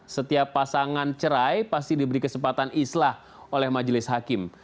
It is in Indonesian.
setiap pasangan cerai pasti diberi kesempatan islah oleh majelis hakim